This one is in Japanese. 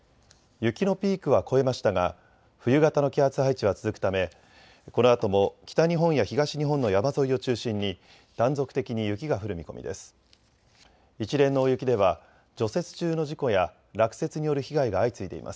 雪のピークは越えましたが冬型の気圧配置は続くためこのあとも北日本や東日本の山沿いを中心に断続的に雪が降る見込みです。